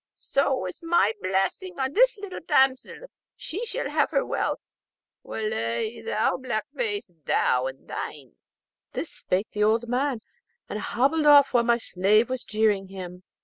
So is my blessing on the little damsel, and she shall have her wish, wullahy, thou black face! and thou thine.' This spake the old man, and hobbled off while my slave was jeering him.